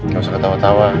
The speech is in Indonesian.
gak usah ketawa tawa